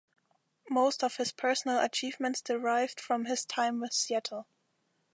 Most of his personal achievements derived from his time with Seattle.